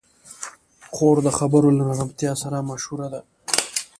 خور د خبرو له نرمتیا سره مشهوره ده.